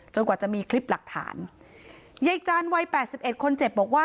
กว่าจะมีคลิปหลักฐานยายจานวัยแปดสิบเอ็ดคนเจ็บบอกว่า